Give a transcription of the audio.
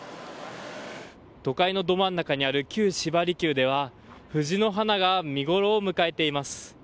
都会のど真ん中にある旧芝離宮ではフジの花が見ごろを迎えています。